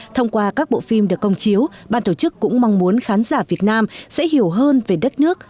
thông qua các bộ phim được công chiếu ban tổ chức cũng mong muốn khán giả việt nam sẽ hiểu hơn về đất nước